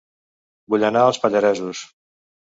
Vull anar a Els Pallaresos